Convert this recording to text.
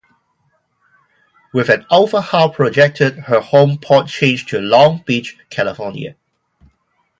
With an overhaul projected, her home port changed to Long Beach, California.